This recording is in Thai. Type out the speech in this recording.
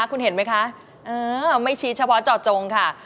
คุณเห็นไหมคะไม่ชี้เฉพาะเจาะจงค่ะ